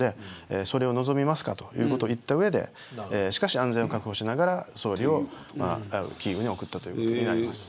それを望みますかということを言った上でしかし、安全を確保しながら総理をキーウへ送ったということになります。